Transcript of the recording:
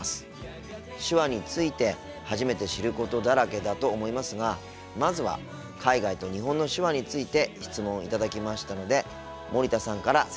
手話について初めて知ることだらけだと思いますがまずは海外と日本の手話について質問を頂きましたので森田さんから説明していただきたいと思います。